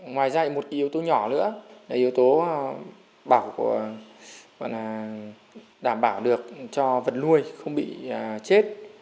ngoài ra một yếu tố nhỏ nữa yếu tố đảm bảo được cho vật nuôi không bị chết